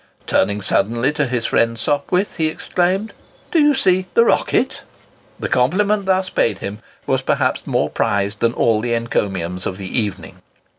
Turning suddenly to his friend Sopwith, he exclaimed, "Do you see the 'Rocket'?" The compliment thus paid him, was perhaps more prized than all the encomiums of the evening.